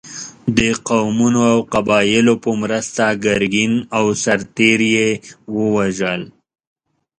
د قومونو او قبایلو په مرسته ګرګین او سرتېري یې ووژل.